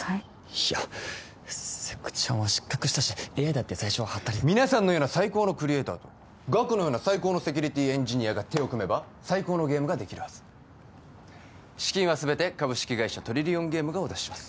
いやセクチャンは失格したしＡＩだって最初はハッタリ皆さんのような最高のクリエイターとガクのような最高のセキュリティエンジニアが手を組めば最高のゲームができるはず資金はすべて株式会社トリリオンゲームがお出しします